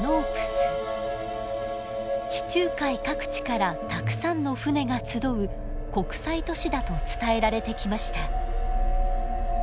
地中海各地からたくさんの船が集う国際都市だと伝えられてきました。